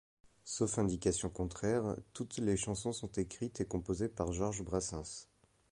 Sauf indications contraires, toutes les chansons sont écrites et composées par Georges Brassens.